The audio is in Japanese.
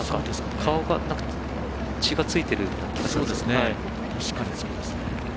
顔が、血がついているような感じがします。